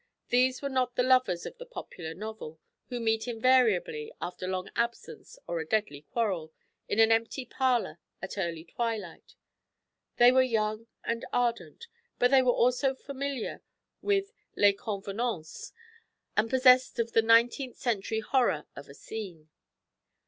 These were not the lovers of the popular novel, who meet invariably, after long absence or a deadly quarrel, in an empty parlour at early twilight; they were young and ardent, but they were also familiar with les convenances, and possessed of the nineteenth century horror of a scene.